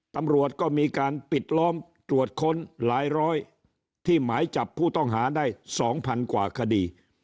ตำรวจก็มีการปิดล้อมตรวจค้นหลายร้อยที่หมายจับผู้ต้องหาได้๒๐๐๐กว่าคดี